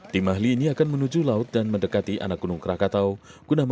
tim ahli ini akan menuju laut dan mendekati anak gunung krakatau